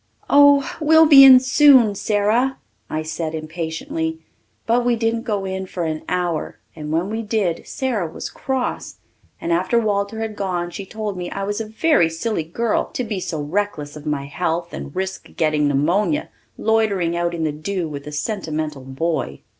"Oh, we'll be in soon, Sara," I said impatiently. But we didn't go in for an hour, and when we did Sara was cross, and after Walter had gone she told me I was a very silly girl to be so reckless of my health and risk getting pneumonia loitering out in the dew with a sentimental boy.